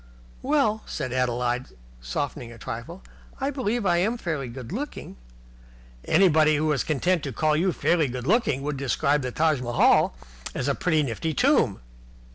"Well," said Adeline, softening a trifle, "I believe I am fairly good looking " "Anybody who was content to call you fairly good looking would describe the Taj Mahal as a pretty nifty tomb."